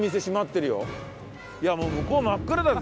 いやもう向こう真っ暗だぜ。